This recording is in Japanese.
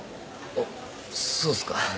あっそうっすか？